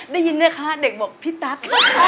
ได้ยินไหมคะเด็กบอกพี่ตั๊ก